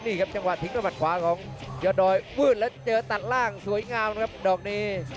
นี่ครับจังหวะทิ้งด้วยมัดขวาของยอดดอยวืดแล้วเจอตัดล่างสวยงามครับดอกนี้